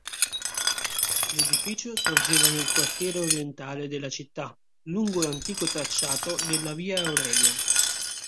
L’edificio sorgeva nel quartiere orientale della città, lungo l'antico tracciato della Via Aurelia.